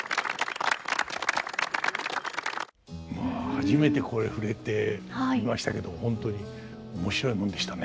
初めてこれ触れてみましたけどホントに面白いもんでしたね。